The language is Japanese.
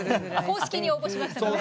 公式に応募しましたからね。